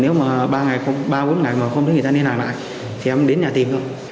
nếu mà ba bốn ngày mà không thấy người ta đi nào lại thì em đến nhà tìm thôi